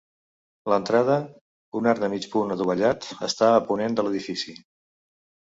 L'entrada, un arc de mig punt adovellat, està a ponent de l'edifici.